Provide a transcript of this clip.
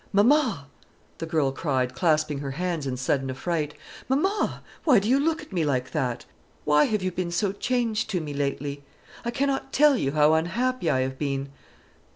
"Mamma!" the girl cried, clasping her hands in sudden affright "mamma! why do you look at me like that? Why have you been so changed to me lately? I cannot tell you how unhappy I have been.